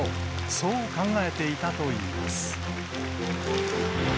そう考えていたといいます。